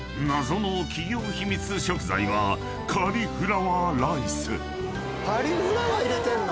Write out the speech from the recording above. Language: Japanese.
謎の企業秘密食材はカリフラワーライス］